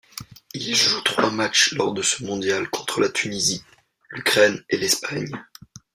Il joue trois matchs lors de ce mondial, contre la Tunisie, l'Ukraine et l'Espagne.